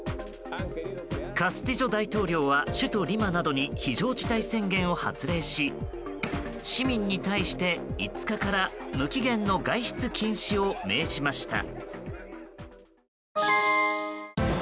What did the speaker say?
カスティジョ大統領は首都リマなどに非常事態宣言を発令し市民に対して５日から無期限の外出禁止を命じました。